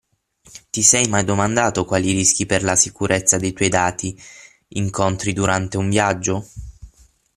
Ti sei mai domandato quali rischi per la sicurezza dei tuoi dati incontri durante un viaggio?